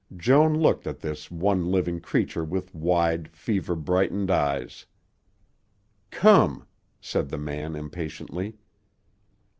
Joan looked at this one living creature with wide, fever brightened eyes. "Come," said the man impatiently.